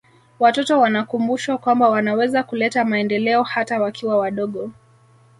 watoto wanakumbushwa kwamba wanaweza kuleta maendeleo hata wakiwa wadogo